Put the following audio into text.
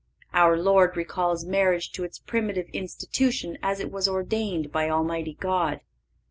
(538) Our Lord recalls marriage to its primitive institution as it was ordained by Almighty God.